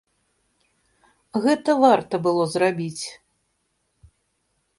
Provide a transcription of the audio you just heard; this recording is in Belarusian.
Гэта варта было зрабіць.